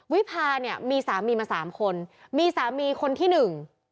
วิพาเนี่ยมีสามีมาสามคนมีสามีคนที่หนึ่ง